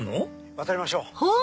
渡りましょう。